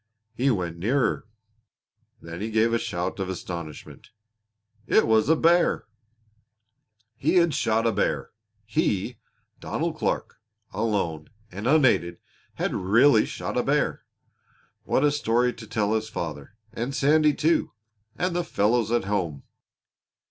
He went nearer. Then he gave a shout of astonishment. It was a bear! He had shot a bear he, Donald Clark, alone and unaided, had really shot a bear! What a story to tell his father; and Sandy, too; and the fellows at home!